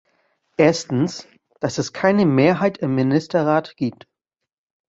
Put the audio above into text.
Erstens, dass es keine Mehrheit im Ministerrat gibt.